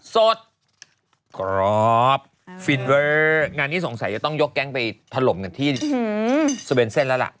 สดกรอบฟินเวอร์งานนี้สงสัยจะต้องยกแก๊งไปถล่มกันที่สเวนเซ่นแล้วล่ะ